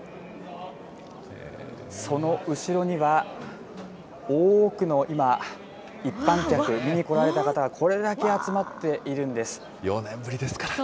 その後ろには、多くの今、一般客、見に来られた方が、これだけ集ま４年ぶりですから。